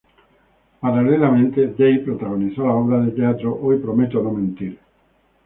Paralelamente, Day protagonizó la obra de teatro "Hoy prometo no mentir".